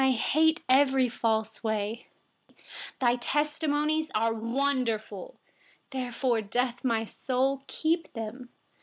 I hate every false way. PEY 129Your testimonies are wonderful, therefore my soul keeps them.